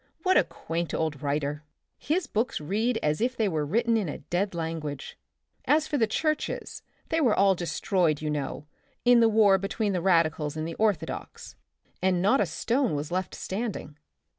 What a quaint old writer ! His books read as if they were written in a dead language. As for the churches, they were all destroyed, you know, in the war between the radicals and the or thodox, and not a stone was left standing.